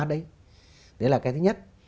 đấy là cái thứ nhất